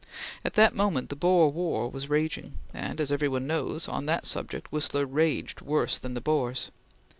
At that moment the Boer War was raging, and, as every one knows, on that subject Whistler raged worse than the Boers.